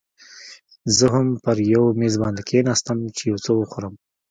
زه هم پر یو میز باندې کښېناستم، چې یو څه وخورم.